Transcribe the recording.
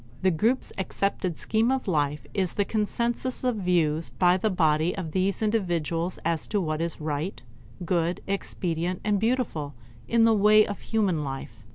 The group's accepted scheme of life is the consensus of views held by the body of these individuals as to what is right, good, expedient, and beautiful in the way of human life.